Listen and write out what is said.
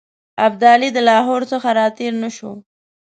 ابدالي د لاهور څخه را تېر نه شو.